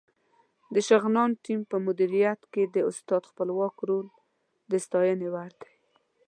د شغنان ټیم په مدیریت کې د استاد خپلواک رول د ستاینې وړ دی.